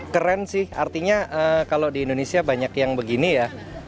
keren sih artinya kalau di indonesia banyak yang begini ya